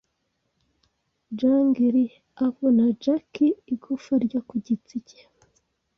Jang-Lee avuna Jackie igufwa ryo ku gitsike